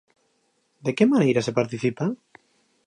De que maneira se participa?